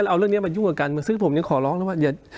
แล้วเอาเรื่องนี้มายุ่งกันซึ่งผมยังขอร้องแล้วว่าอย่า